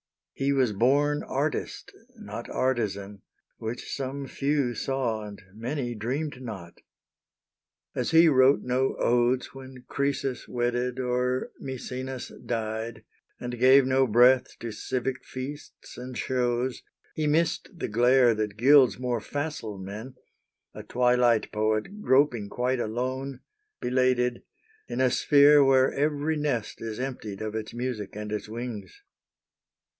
He was born Artist, not artisan, which some few saw And many dreamed not. As he wrote no odes When Croesus wedded or Maecenas died, And gave no breath to civic feasts and shows, He missed the glare that gilds more facile men A twilight poet, groping quite alone, Belated, in a sphere where every nest Is emptied of its music and its wings.